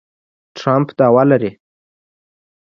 ټرمپ دعوه لري